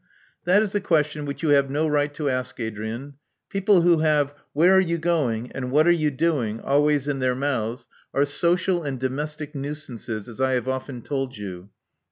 '*That is a question which you have no right to ask, Adrian. People who have *Where *are you going?' and *What are you doing?' always in their mouths are social and domestic nuisances, as I have often told you.